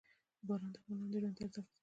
باران د افغانانو د ژوند طرز اغېزمنوي.